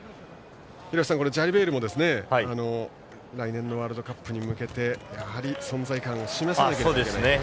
廣瀬さん、ジャリベールも来年のワールドカップに向けてやはり存在感を示さなければいけませんね。